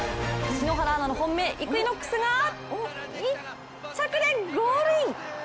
篠原アナの本命イクイノックスが１着でゴールイン！